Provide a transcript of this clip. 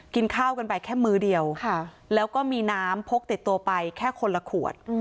กินข้าวกันไปแค่มื้อเดียวแล้วก็มีน้ำพกติดตัวไปแค่คนละขวด